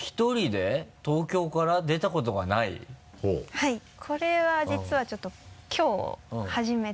はいこれは実はちょっときょう初めて。